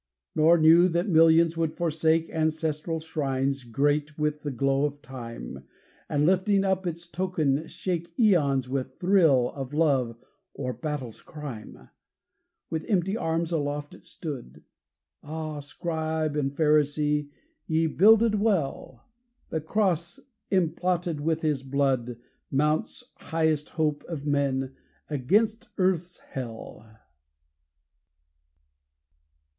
Nor knew that millions would forsake Ancestral shrines great with the glow of time, And lifting up its token shake Aeons with thrill of love or battle's crime. With empty arms aloft it stood: Ah, Scribe and Pharisee, ye builded well! The cross emblotted with His blood Mounts, highest Hope of men, against earth's hell!